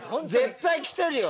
絶対きてるよね。